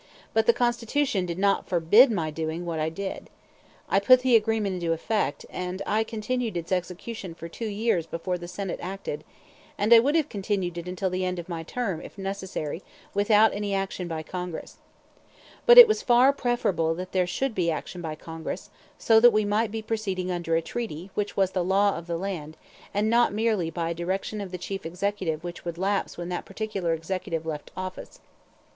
But the Constitution did not forbid my doing what I did. I put the agreement into effect, and I continued its execution for two years before the Senate acted; and I would have continued it until the end of my term, if necessary, without any action by Congress. But it was far preferable that there should be action by Congress, so that we might be proceeding under a treaty which was the law of the land and not merely by a direction of the Chief Executive which would lapse when that particular executive left office.